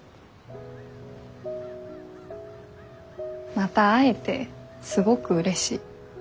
また会えてすごくうれしい。